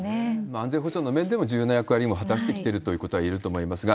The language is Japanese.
安全保障の面でも重要な役割を果たしてきてるということはいえると思いますが。